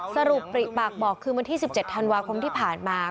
สรุปปริปากบอกคืนวันที่๑๗ธันวาคมที่ผ่านมา